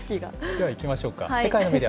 ではいきましょうか。